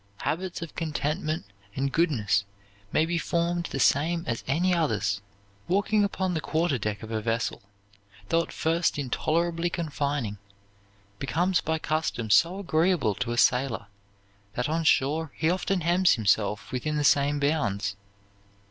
Habits of contentment and goodness may be formed the same as any others. Walking upon the quarter deck of a vessel, though at first intolerably confining, becomes by custom so agreeable to a sailor that on shore he often hems himself within the same bounds.